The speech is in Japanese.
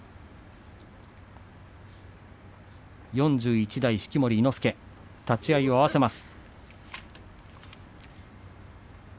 ４１代式守伊之助立ち合いを合わせます。